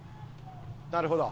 なるほど。